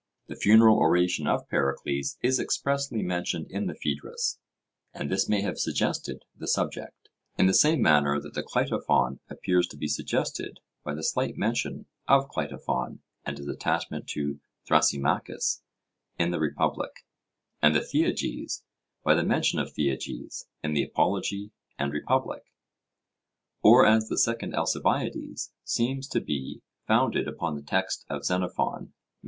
The funeral oration of Pericles is expressly mentioned in the Phaedrus, and this may have suggested the subject, in the same manner that the Cleitophon appears to be suggested by the slight mention of Cleitophon and his attachment to Thrasymachus in the Republic; and the Theages by the mention of Theages in the Apology and Republic; or as the Second Alcibiades seems to be founded upon the text of Xenophon, Mem.